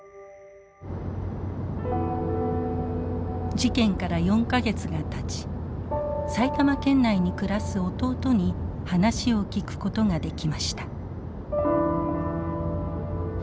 事件から４か月がたち埼玉県内に暮らす弟に話を聞くことができました。